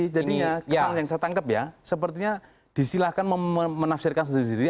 kesalahan yang saya tangkap sepertinya disilahkan menafsirkan sendiri sendiri